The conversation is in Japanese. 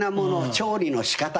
調理の仕方ね。